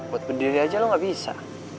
buat berdiri aja lo gak bisa